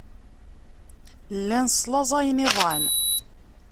Llan slaẓayen iḍan.